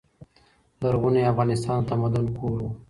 لرغونی افغانستان د تمدن کور و.